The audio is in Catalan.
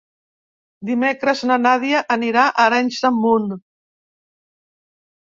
Dimecres na Nàdia anirà a Arenys de Munt.